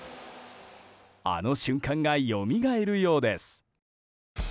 あの瞬間がよみがえるようです。